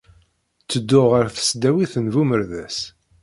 Ttedduɣ ɣer Tesdawit n Bumerdas.